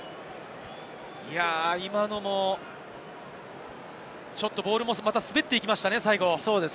今のもちょっとボールも滑っていきましたね。